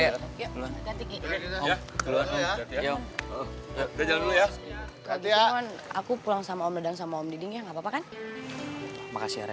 aku pulang sama om dengan sama om diding yang apa apa kan makasih ya rayu